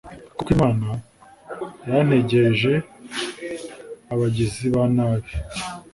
koko imana yantegeje abagizi ba nabi